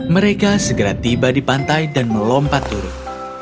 mereka segera tiba di pantai dan melompat turun